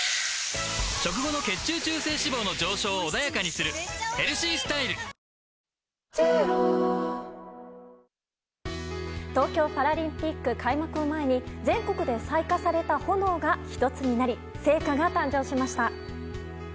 てるてる坊主と掃晴娘を飾って東京パラリンピック開幕を前に全国で採火された炎が１つになり聖火が誕生しました。